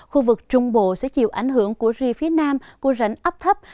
khu vực trung bộ sẽ chịu ảnh hưởng của rìa phía nam của rãnh áp thấp